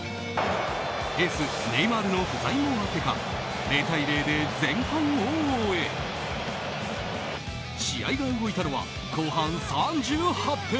エース、ネイマールの不在もあってか０対０で前半を終え試合が動いたのは後半３８分。